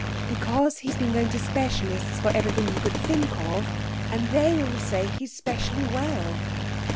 'Because he's been going to specialists for everything he could think of, and they all say he's specially well.